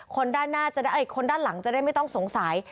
คนด้านหลังจะได้ไม่ต้องสงสัย